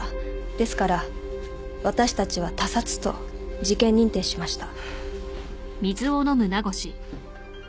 ですから私たちは他殺と事件認定しました。